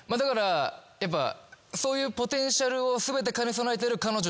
やっぱそういう。